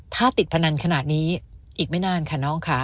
ถ้าติดพนันขนาดนี้อีกไม่นานค่ะน้องค่ะ